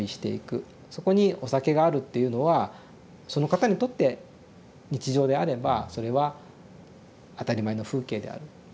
そこにお酒があるっていうのはその方にとって日常であればそれは当たり前の風景である。